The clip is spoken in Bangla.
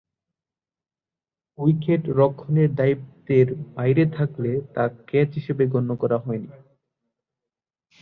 উইকেট-রক্ষণের দায়িত্বের বাইরে থাকলে তা ক্যাচ হিসেবে গণ্য করা হয়নি।